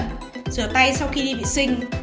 sau khi ăn rửa tay sau khi đi vệ sinh